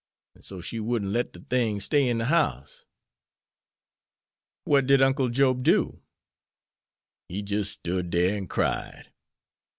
An' so she wouldn't let de things stay in de house." "What did Uncle Job do?" "He jis' stood dere an' cried."